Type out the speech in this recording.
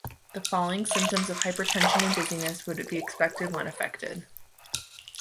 The following symptoms of hypertension and dizziness would be expected when affected.